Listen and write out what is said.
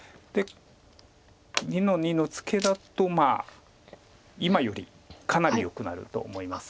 ２の二のツケだと今よりかなりよくなると思います。